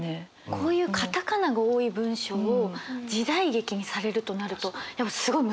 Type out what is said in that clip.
こういうカタカナが多い文章を時代劇にされるとなるとすごい難しい？